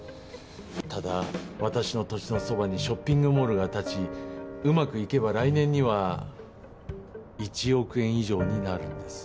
ただ私の土地のそばにショッピングモールが建ちうまくいけば来年には１億円以上になるんです。